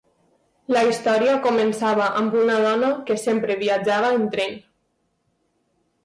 La història començava amb una dona que sempre viatjava en tren.